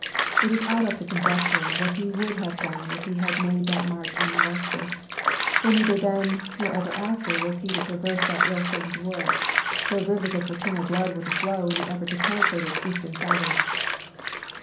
It is idle to conjecture what he would have done if he had made that march unmolested; for neither then nor ever thereafter was he to traverse that ill famed wood, though rivers of fraternal blood were to flow in the effort to penetrate its eastern selvage.